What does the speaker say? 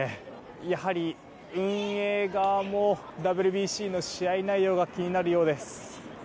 やはり、運営側もＷＢＣの試合内容が気になるようです。